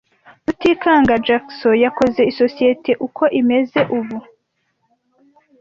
Rutikanga Jackson yakoze isosiyete uko imeze ubu.